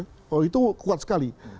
pauli itu kuat sekali